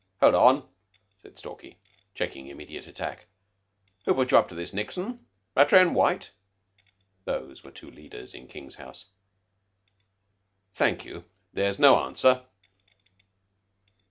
"Hold on," said Stalky, checking immediate attack. "Who put you up to this, Nixon? Rattray and White? (Those were two leaders in King's house.) Thank you. There's no answer."